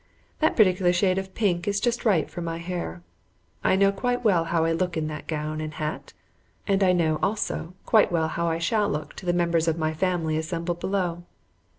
That particular shade of pink is just right for my hair. I know quite well how I look in that gown and hat, and I know, also, quite well how I shall look to the members of my family assembled below.